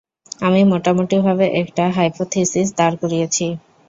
আমি মোটামুটিভাবে একটা হাইপোথিসিস দাঁড় করিয়েছি।